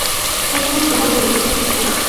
সে কেবল গ্রহণ করিত, কিছু দিত না।